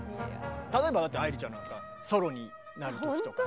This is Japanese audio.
例えばだって愛理ちゃんなんかソロになる時とかさ。